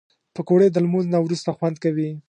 پکورې د لمونځ نه وروسته خوند کوي